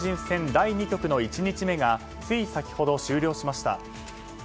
第２局の１日目がつい先ほど終了しました。